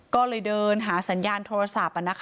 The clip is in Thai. ก็เลยเดินหาสัญญาณโทรศัพท์